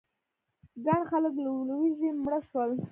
ګڼ خلک له لوږې مړه شول.